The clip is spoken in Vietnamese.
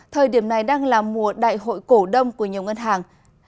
thời điểm này đang là mùa đại hội cổ đông của nhiều ngân hàng